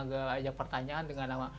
agak pertanyaan dengan nama